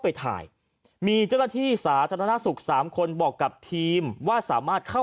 ไปถ่ายมีเจ้าหน้าที่สาธารณสุขสามคนบอกกับทีมว่าสามารถเข้า